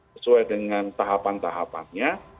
sesuai dengan tahapan tahapannya